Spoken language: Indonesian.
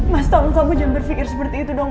mas tom kamu jangan berpikir seperti itu dong